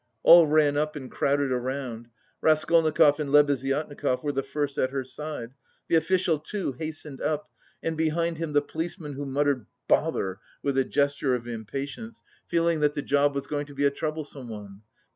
All ran up and crowded around. Raskolnikov and Lebeziatnikov were the first at her side, the official too hastened up, and behind him the policeman who muttered, "Bother!" with a gesture of impatience, feeling that the job was going to be a troublesome one.